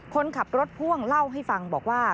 คนขับรถพ่วงเล่าให้ฟังบอกว่า